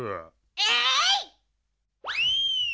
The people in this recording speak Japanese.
えい！